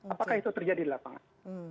apakah itu terjadi di lapangan